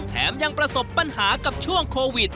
แถมยังประสบปัญหากับช่วงโควิด